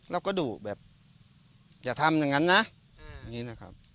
เราก็ดุแบบอย่าทำอย่างนั้นนะอย่างนี้นะครับ